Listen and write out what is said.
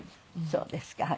そうですか。